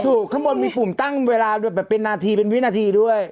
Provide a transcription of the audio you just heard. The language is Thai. ข้างบนมีปุ่มตั้งเวลาแบบเป็นนาทีเป็นวินาทีด้วย